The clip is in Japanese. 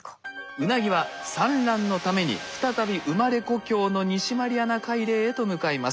ウナギは産卵のために再び生まれ故郷の西マリアナ海嶺へと向かいます。